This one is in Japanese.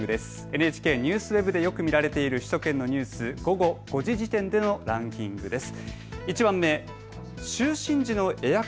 ＮＨＫＮＥＷＳＷＥＢでよく見られている首都圏のニュース、午後５時時点でのランキングです。